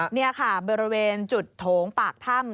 นี่ค่ะบริเวณจุดโถงปากถ้ำ